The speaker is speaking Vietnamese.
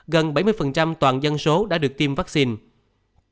gần bảy mươi toàn dân số đã được tiêm vaccine